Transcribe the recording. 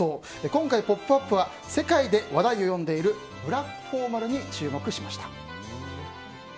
今回「ポップＵＰ！」は世界で話題を呼んでいるブラックフォーマルに注目しました。